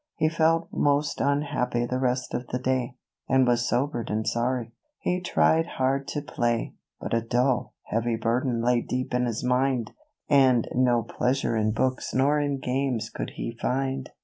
He felt most unhappy the rest of the day, And was sobered and sorry. He tried hard to play, But a dull, heavy burden lay deep in his mind, And no pleasure in books nor in games could he. find.